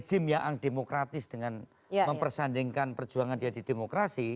rejim yang demokratis dengan mempersandingkan perjuangan dia di demokrasi